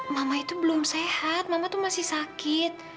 mama itu belum sehat mama itu masih sakit